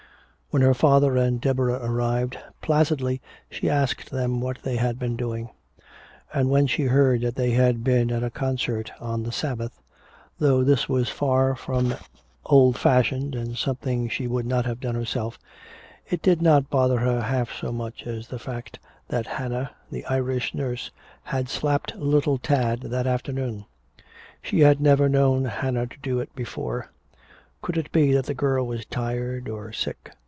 When her father and Deborah arrived, placidly she asked them what they had been doing. And when she heard that they had been at a concert on the Sabbath, though this was far from old fashioned and something she would not have done herself, it did not bother her half so much as the fact that Hannah, the Irish nurse, had slapped little Tad that afternoon. She had never known Hannah to do it before. Could it be that the girl was tired or sick?